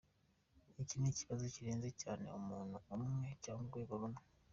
Iki ni ikibazo kirenze cyane umuntu umwe cyangwa urwego rumwe.